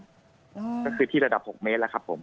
ก็คือที่ระดับ๖เมตรนะครับ